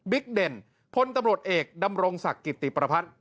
เด่นพลตำรวจเอกดำรงศักดิ์กิติประพัฒน์